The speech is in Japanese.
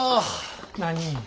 何？